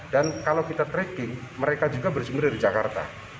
dan kalau kita tracking mereka juga bersempit dari jakarta